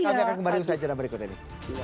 kami akan kembali bersajaran berikut ini